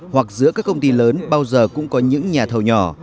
hoặc giữa các công ty lớn bao giờ cũng có những nhà thầu nhỏ